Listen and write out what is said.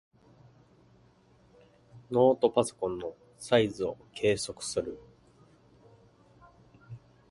ノートパソコンのサイズを計測する。